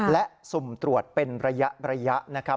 และสุ่มตรวจเป็นระยะนะครับ